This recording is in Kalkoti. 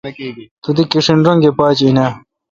تو دی کیݭن رنگہ پاج این اؘ۔